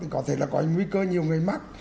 có thể là có nguy cơ nhiều người mắc